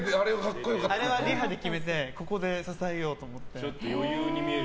あれはリハで決めてここで支えようと思って。